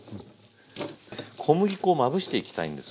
小麦粉をまぶしていきたいんです。